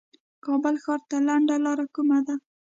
کابل ښار ته لنډه لار کومه ده